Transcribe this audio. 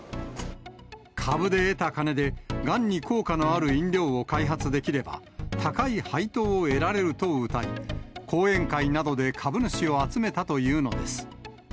株で得た金で、がんに効果のある飲料を開発できれば、高い配当を得られるとうたい、講演会などで株主を集めたというのです。